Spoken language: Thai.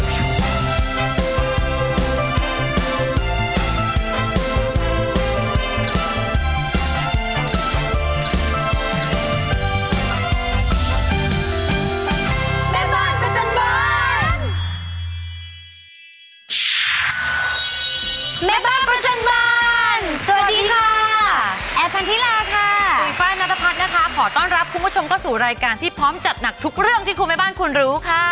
สุยฟ้านัทภัทรนะคะขอต้อนรับคุณผู้ชมเข้าสู่รายการที่พร้อมจัดหนักทุกเรื่องที่คุณแม่บ้านคุณรู้ค่ะ